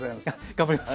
頑張ります。